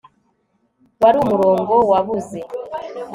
wari umurongo wabuze